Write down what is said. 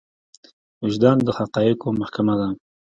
وجدان د حقايقو محکمه ده.